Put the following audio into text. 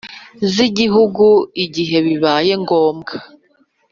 z’Igihugu igihe bibaye ngombwa.